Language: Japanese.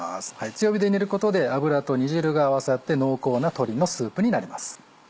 強火で煮ることで脂と煮汁が合わさって濃厚な鶏のスープになります。